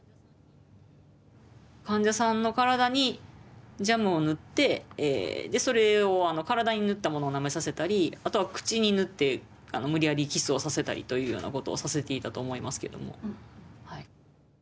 患者さんの体にジャムを塗ってそれを体に塗ったものをなめさせたりあとは口に塗って無理やりキスをさせたりというようなことをさせていたと思いますけども。